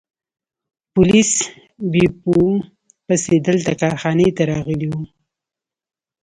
پولیس بیپو پسې دلته کارخانې ته راغلي وو.